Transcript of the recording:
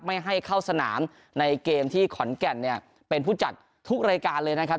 ไม่ให้เข้าสนามในเกมที่ขอนแก่นเนี่ยเป็นผู้จัดทุกรายการเลยนะครับ